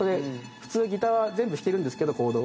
普通ギターは全部弾けるんですけどコードを。